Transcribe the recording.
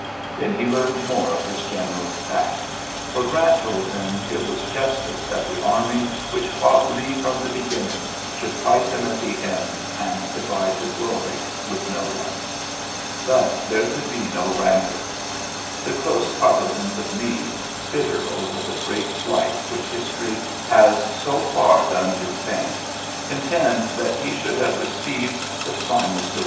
Then he leame< more of his general's tact, for Grant tol( him it was justice that the army whicl fought Lee from the beginning shovli fight him at the end and divide the gloc; with no one. Thus there could be » rancour. The close partisans of Meade bitter over the great slight which histoid has so far done his fame, contend tha he should have received the final soi ULYSSES S.